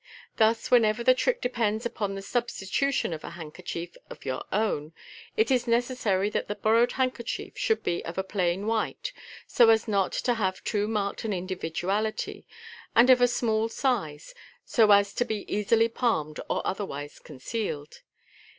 Thus, whenever the trick depends upon the substitution of a handkerchief of your own, it is necessary that the borrowed handkerchief should be of a plain white, so as not to have too marked an individuality, and of a small size, so as to be easily palmed or otherwise concealed.